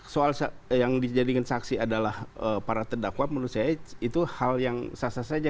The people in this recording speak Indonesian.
soal yang dijadikan saksi adalah para terdakwa menurut saya itu hal yang sah sah saja